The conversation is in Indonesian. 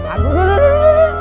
aduh aduh aduh